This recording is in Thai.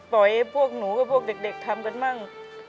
ปล่อยพวกหนูกับพวกเด็กทำกันบ้าง